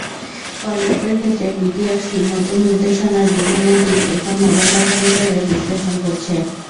কলড্রপের ক্ষেত্রে বিটিআরসির নতুন নির্দেশনার বিভিন্ন দিক এখন মোবাইল অপারেটররা বিশ্লেষণ করছে।